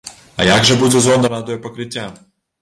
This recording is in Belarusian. А як жа будзе зона радыёпакрыцця?